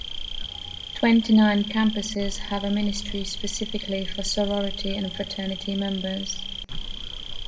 Twenty-nine campuses have a ministry specifically for sorority and fraternity members.